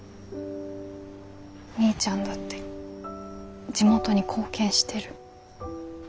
みーちゃんだって地元に貢献してる。